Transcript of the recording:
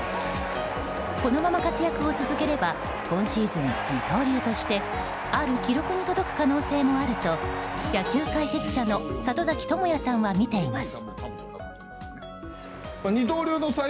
このまま活躍を続ければ今シーズン、二刀流としてある記録に届く可能性もあると野球解説者の里崎智也さんはみています。